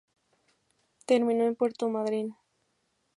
Terminó en Puerto Madryn.